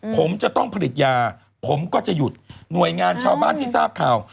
ผมจะต้องผลิตยาผมก็จะหยุดหน่วยงานชาวบ้านที่ทราบข่าว